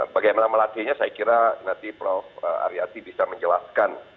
bagaimana melatihnya saya kira nanti prof aryati bisa menjelaskan